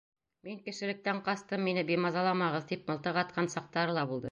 Мин кешелектән ҡастым, мине бимазаламағыҙ, тип мылтыҡ атҡан саҡтары ла булды.